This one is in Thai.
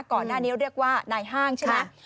ก่อนหน้านี้เรียกว่านายห้างใช่ไหม